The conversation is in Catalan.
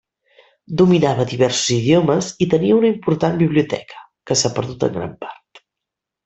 Dominava diversos idiomes i tenia una important biblioteca, que s'ha perdut en gran part.